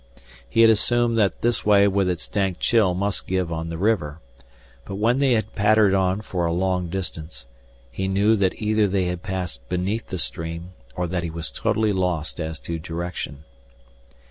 He had assumed that this way with its dank chill must give on the river. But when they had pattered on for a long distance, he knew that either they had passed beneath the stream or that he was totally lost as to direction.